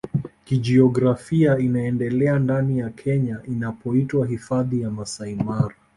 kijiografia inaendelea ndani ya Kenya inapoitwa hifadhi ya Masai Mara